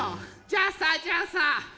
じゃあさじゃあさ